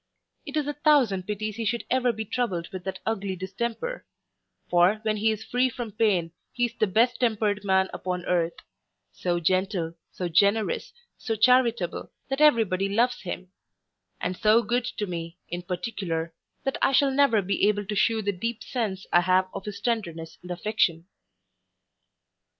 It is a thousand pities he should ever be troubled with that ugly distemper; for, when he is free from pain, he is the best tempered man upon earth; so gentle, so generous, so charitable, that every body loves him; and so good to me, in particular, that I shall never be able to shew the deep sense I have of his tenderness and affection.